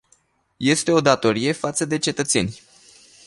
Este o datorie față de cetățeni.